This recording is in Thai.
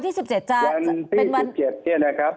วันที่๑๗เนี่ยนะครับ